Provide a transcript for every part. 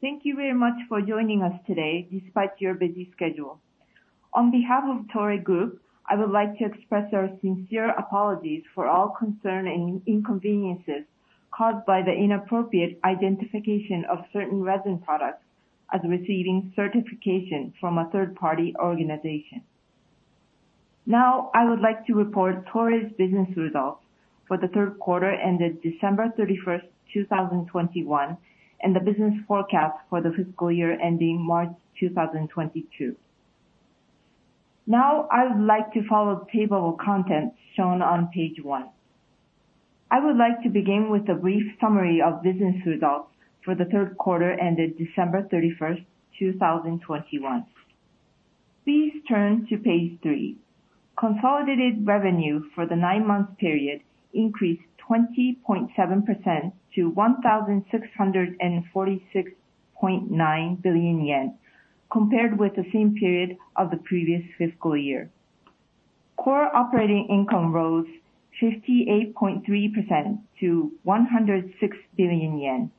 Thank you very much for joining us today despite your busy schedule. On behalf of Toray Group, I would like to express our sincere apologies for all concerning inconveniences caused by the inappropriate identification of certain resin products as receiving certification from a third-party organization. Now, I would like to report Toray's business results for the Q3 ended December 31, 2021, and the business forecast for the fiscal year ending March 2022. Now, I would like to follow the table of contents shown on page 1. I would like to begin with a brief summary of business results for the Q3 ended December 31, 2021. Please turn to page 3. Consolidated revenue for the nine-month period increased 20.7% to 1,646.9 billion yen compared with the same period of the previous fiscal year. Core operating income rose 58.3% to 106 billion yen,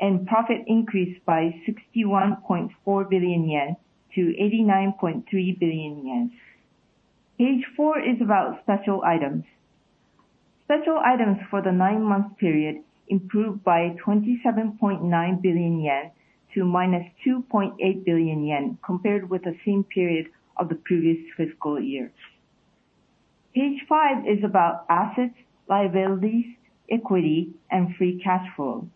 and profit increased by 61.4 billion yen to 89.3 billion yen. Page four is about special items. Special items for the nine-month period improved by 27.9 billion yen to -2.8 billion yen compared with the same period of the previous fiscal year. Page five is about assets, liabilities, equity, and free cash flow.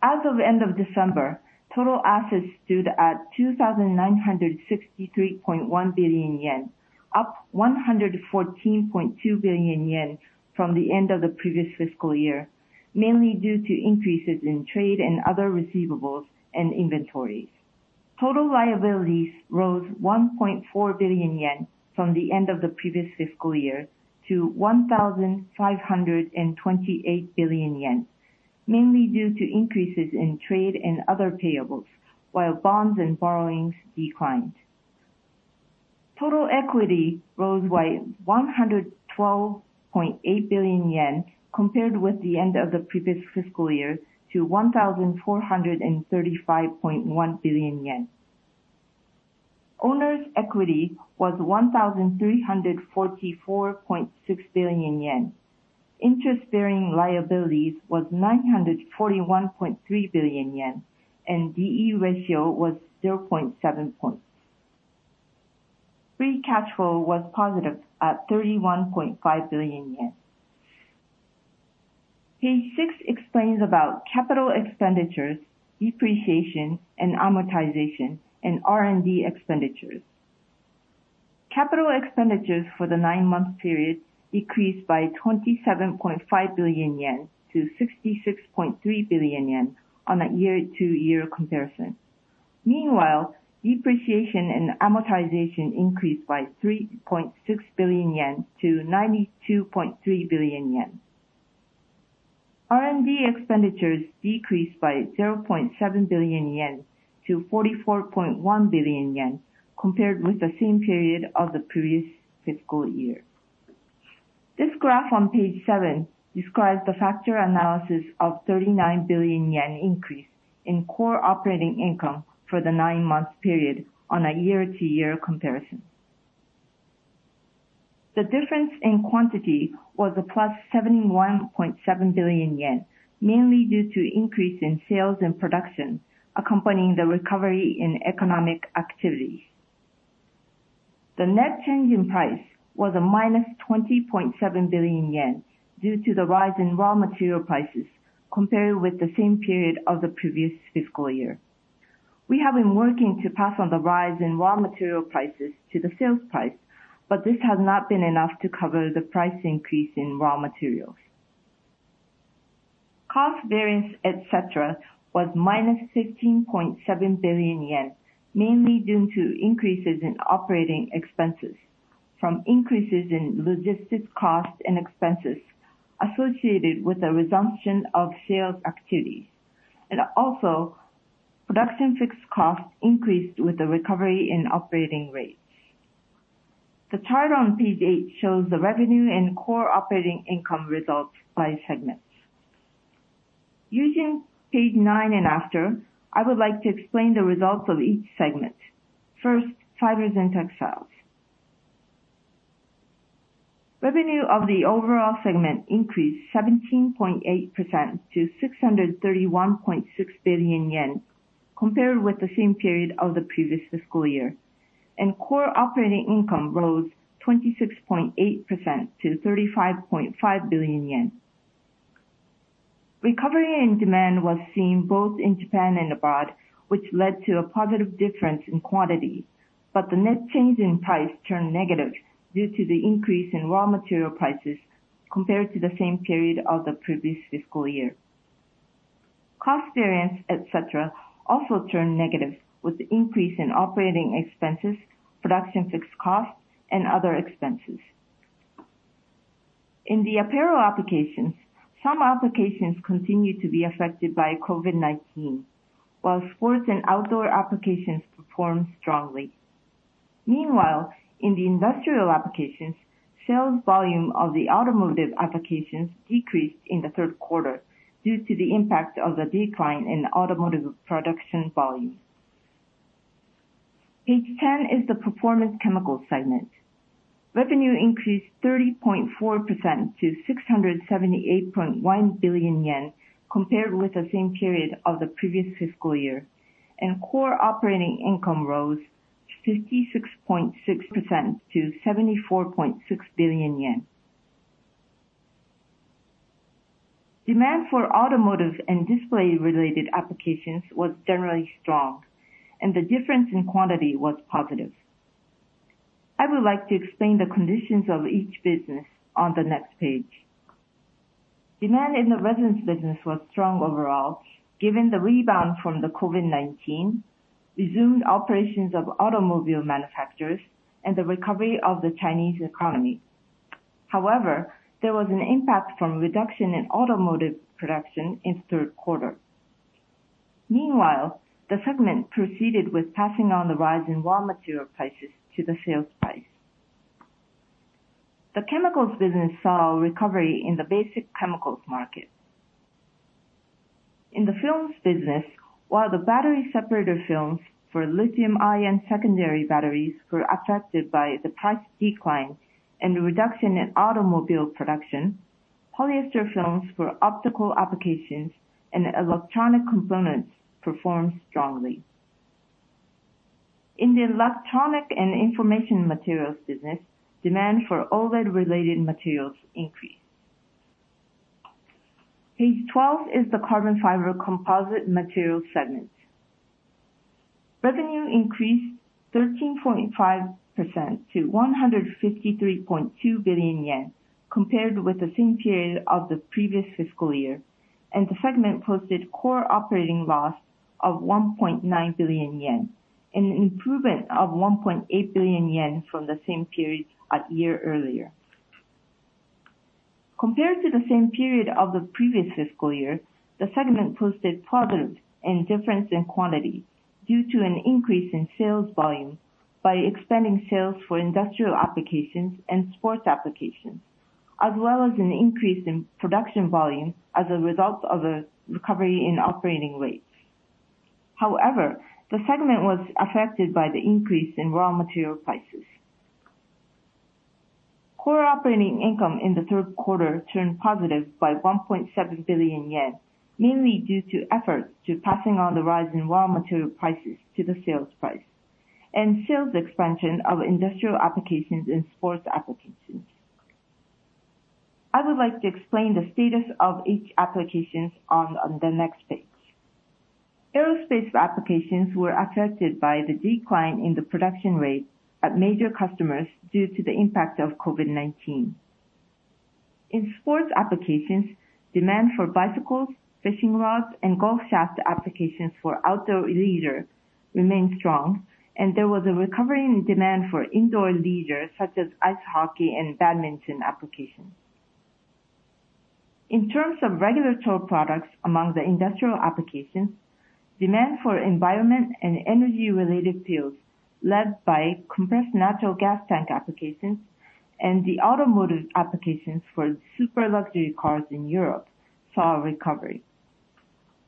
As of end of December, total assets stood at 2,963.1 billion yen, up 114.2 billion yen from the end of the previous fiscal year, mainly due to increases in trade and other receivables and inventories. Total liabilities rose 1.4 billion yen from the end of the previous fiscal year to 1,528 billion yen, mainly due to increases in trade and other payables, while bonds and borrowings declined. Total equity rose by 112.8 billion yen compared with the end of the previous fiscal year to 1,435.1 billion yen. Owner's equity was 1,344.6 billion yen. Interest-bearing liabilities was 941.3 billion yen, and D/E ratio was 0.7 points. Free cash flow was positive at 31.5 billion yen. Page 6 explains about capital expenditures, depreciation, and amortization, and R&D expenditures. Capital expenditures for the nine-month period decreased by 27.5 billion yen to 66.3 billion yen on a year-over-year comparison. Meanwhile, depreciation and amortization increased by 3.6 billion yen to 92.3 billion yen. R&D expenditures decreased by 0.7 billion yen to 44.1 billion yen compared with the same period of the previous fiscal year. This graph on page 7 describes the factor analysis of 39 billion yen increase in core operating income for the nine-month period on a year-over-year comparison. The difference in quantity was +71.7 billion yen, mainly due to increase in sales and production accompanying the recovery in economic activities. The net change in price was -20.7 billion yen due to the rise in raw material prices compared with the same period of the previous fiscal year. We have been working to pass on the rise in raw material prices to the sales price, but this has not been enough to cover the price increase in raw materials. Cost variance, et cetera, was -15.7 billion yen, mainly due to increases in operating expenses from increases in logistics costs and expenses associated with the resumption of sales activities. Production fixed costs increased with the recovery in operating rates. The chart on page 8 shows the revenue and core operating income results by segments. Using page 9 and after, I would like to explain the results of each segment. First, Fibers & Textiles. Revenue of the overall segment increased 17.8% to 631.6 billion yen compared with the same period of the previous fiscal year. Core operating income rose 26.8% to 35.5 billion yen. Recovery and demand was seen both in Japan and abroad, which led to a positive difference in quantity, but the net change in price turned negative due to the increase in raw material prices compared to the same period of the previous fiscal year. Cost variance, et cetera, also turned negative with the increase in operating expenses, production fixed costs, and other expenses. In the apparel applications, some applications continued to be affected by COVID-19, while sports and outdoor applications performed strongly. Meanwhile, in the industrial applications, sales volume of the automotive applications decreased in the Q3 due to the impact of the decline in automotive production volume. Page 10 is the Performance Chemicals segment. Revenue increased 30.4% to 678.1 billion yen compared with the same period of the previous fiscal year. Core operating income rose 56.6% to JPY 74.6 billion. Demand for automotive and display related applications was generally strong, and the difference in quantity was positive. I would like to explain the conditions of each business on the next page. Demand in the resins business was strong overall, given the rebound from the COVID-19, resumed operations of automobile manufacturers, and the recovery of the Chinese economy. However, there was an impact from reduction in automotive production in the Q3. Meanwhile, the segment proceeded with passing on the rise in raw material prices to the sales price. The chemicals business saw a recovery in the basic chemicals market. In the films business, while the battery separator films for lithium-ion secondary batteries were affected by the price decline and the reduction in automobile production, polyester films for optical applications and electronic components performed strongly. In the electronic and information materials business, demand for OLED related materials increased. Page 12 is the Carbon Fiber Composite Materials segment. Revenue increased 13.5% to 153.2 billion yen compared with the same period of the previous fiscal year. The segment posted core operating loss of 1.9 billion yen, an improvement of 1.8 billion yen from the same period a year earlier. Compared to the same period of the previous fiscal year, the segment posted positive difference in quantity due to an increase in sales volume by expanding sales for industrial applications and sports applications, as well as an increase in production volume as a result of a recovery in operating rates. However, the segment was affected by the increase in raw material prices. Core operating income in the Q3 turned positive by 1.7 billion yen, mainly due to efforts in passing on the rise in raw material prices to the sales price and sales expansion of industrial applications and sports applications. I would like to explain the status of each application on the next page. Aerospace applications were affected by the decline in the production rate at major customers due to the impact of COVID-19. In sports applications, demand for bicycles, fishing rods, and golf shaft applications for outdoor leisure remained strong, and there was a recovery in demand for indoor leisure such as ice hockey and badminton applications. In terms of regular tow products among the industrial applications, demand for environment and energy related fields led by compressed natural gas tank applications and the automotive applications for super luxury cars in Europe saw a recovery.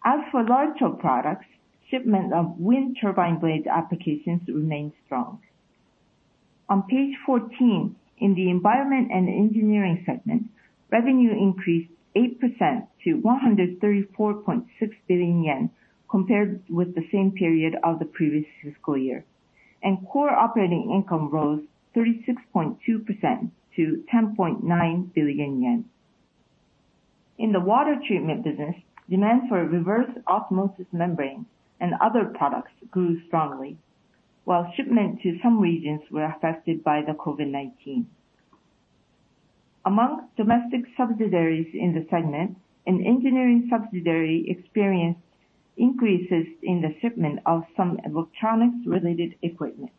As for large tow products, shipment of wind turbine blade applications remained strong. On page 14, in the Environment & Engineering segment, revenue increased 8% to 134.6 billion yen compared with the same period of the previous fiscal year. Core operating income rose 36.2% to 10.9 billion yen. In the water treatment business, demand for reverse osmosis membrane and other products grew strongly, while shipments to some regions were affected by the COVID-19. Among domestic subsidiaries in the segment, an engineering subsidiary experienced increases in the shipment of some electronics-related equipment.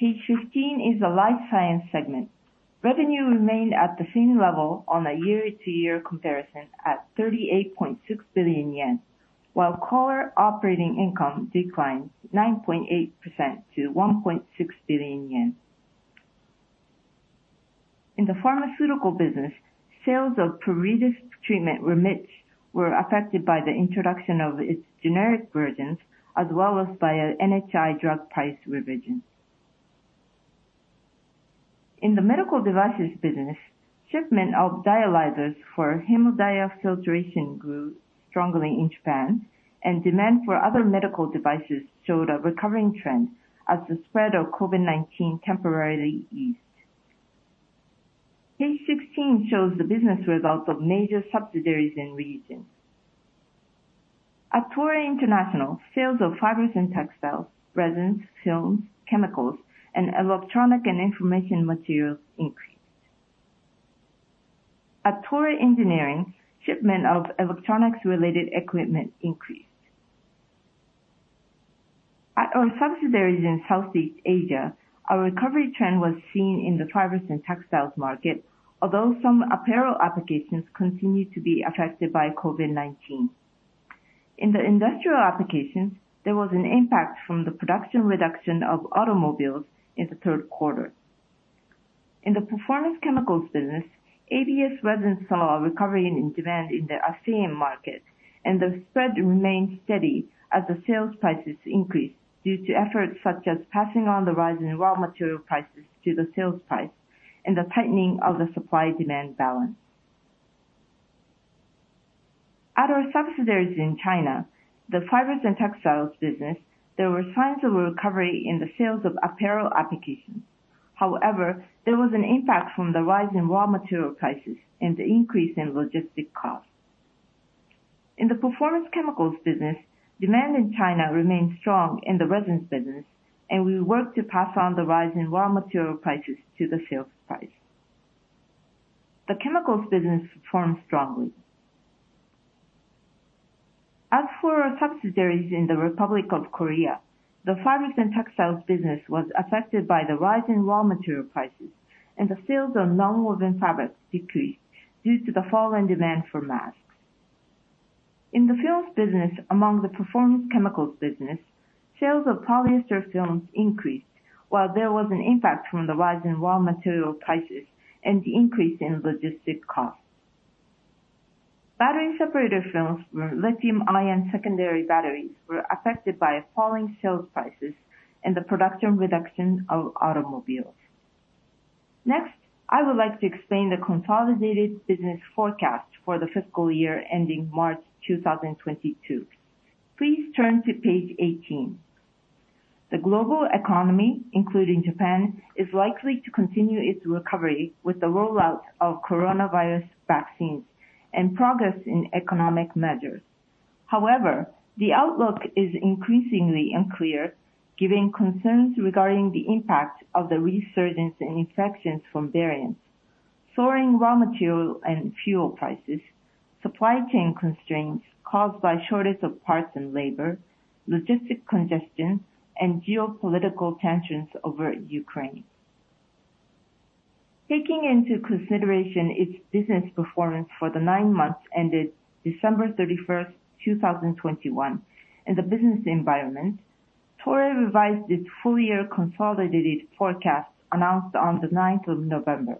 Page 15 is the Life Science segment. Revenue remained at the same level on a year-to-year comparison at 38.6 billion yen, while core operating income declined 9.8% to 1.6 billion yen. In the pharmaceutical business, sales of pruritus treatment REMITCH were affected by the introduction of its generic versions, as well as by NHI drug price revision. In the medical devices business, shipment of dialyzers for hemodiafiltration grew strongly in Japan, and demand for other medical devices showed a recovering trend as the spread of COVID-19 temporarily eased. Page 16 shows the business results of major subsidiaries and regions. At Toray International, sales of fibers and textiles, resins, films, chemicals, and electronic and information materials increased. At Toray Engineering, shipment of electronics-related equipment increased. At our subsidiaries in Southeast Asia, a recovery trend was seen in the fibers and textiles market, although some apparel applications continued to be affected by COVID-19. In the industrial application, there was an impact from the production reduction of automobiles in the Q3. In the Performance Chemicals business, ABS resins saw a recovery in demand in the ASEAN market, and the spread remained steady as the sales prices increased due to efforts such as passing on the rise in raw material prices to the sales price and the tightening of the supply-demand balance. At our subsidiaries in China, the Fibers and Textiles business, there were signs of a recovery in the sales of apparel applications. However, there was an impact from the rise in raw material prices and the increase in logistics costs. In the Performance Chemicals business, demand in China remained strong in the resins business, and we worked to pass on the rise in raw material prices to the sales price. The chemicals business performed strongly. As for our subsidiaries in the Republic of Korea, the Fibers & Textiles business was affected by the rise in raw material prices, and the sales of nonwoven fabrics decreased due to the fall in demand for masks. In the films business, among the Performance Chemicals business, sales of polyester films increased, while there was an impact from the rise in raw material prices and the increase in logistics costs. Battery separator films for lithium-ion secondary batteries were affected by falling sales prices and the production reduction of automobiles. Next, I would like to explain the consolidated business forecast for the fiscal year ending March 2022. Please turn to page 18. The global economy, including Japan, is likely to continue its recovery with the rollout of coronavirus vaccines and progress in economic measures. However, the outlook is increasingly unclear, giving concerns regarding the impact of the resurgence in infections from variants, soaring raw material and fuel prices, supply chain constraints caused by shortage of parts and labor, logistic congestion, and geopolitical tensions over Ukraine. Taking into consideration its business performance for the nine months ended December 31, 2021, and the business environment, Toray revised its full-year consolidated forecast announced on the ninth of November.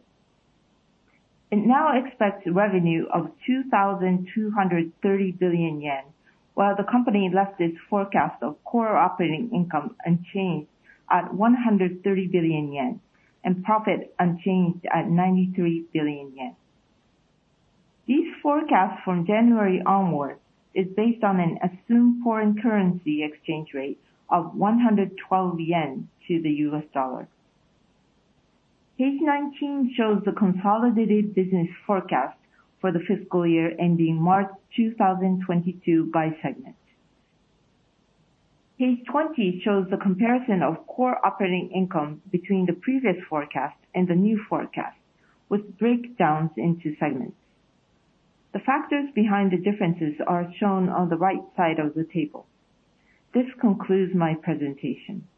It now expects revenue of 2,230 billion yen, while the company left its forecast of core operating income unchanged at 130 billion yen, and profit unchanged at 93 billion yen. These forecasts from January onwards is based on an assumed foreign currency exchange rate of 112 yen to the US dollar. Page 19 shows the consolidated business forecast for the fiscal year ending March 2022 by segment. Page 20 shows the comparison of core operating income between the previous forecast and the new forecast, with breakdowns into segments. The factors behind the differences are shown on the right side of the table. This concludes my presentation.